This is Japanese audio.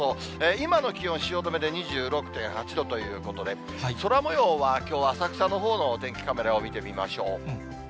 今の気温、汐留で２６．８度ということで、空もようは、きょうは浅草のほうのお天気カメラを見てみましょう。